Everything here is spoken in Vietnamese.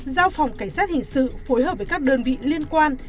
giao phòng cảnh sát hình sự phối hợp với các đơn vị liên quan